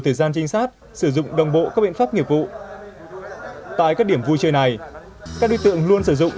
thời gian trinh sát sử dụng đồng bộ các biện pháp nghiệp vụ tại các điểm vui chơi này các đối tượng luôn sử dụng